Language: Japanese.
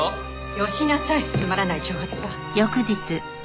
よしなさいつまらない挑発は。